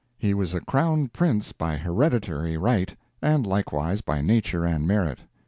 He was a Crown Prince by hereditary right, and likewise by nature and merit.